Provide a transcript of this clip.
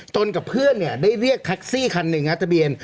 กับเพื่อนได้เรียกแท็กซี่คันหนึ่งนะทะเบียน